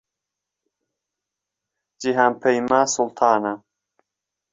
جیهان پهیما سوڵتانه